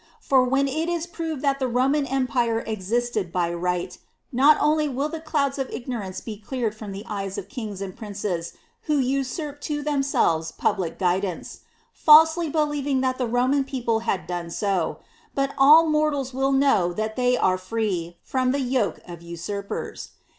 For when it is proved that the Ro man Empire pvigfp^ hy p^\yt^ not only will the clouds of ignorance be cleared from the eyes of kings and princes who usurp to themselves public guidance, falsely believing that the Ro man people had done so, but ^^^ nftrtals wi^^ k now that they are free from jJie j rpke of usurp ers.